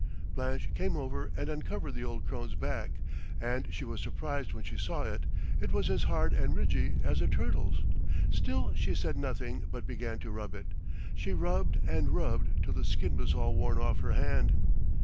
Blanche came over and uncovered the old crone's back, and she was surprised when she saw it; it was as hard and ridgy as a turtle's. Still she said nothing but began to rub it. She rubbed and rubbed till the skin was all worn off her hand.